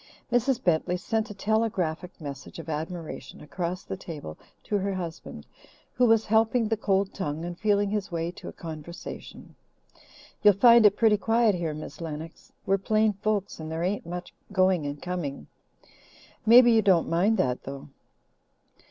Mrs. Bentley sent a telegraphic message of admiration across the table to her husband, who was helping the cold tongue and feeling his way to a conversation. "You'll find it pretty quiet here, Miss Lennox. We're plain folks and there ain't much going and coming. Maybe you don't mind that, though?"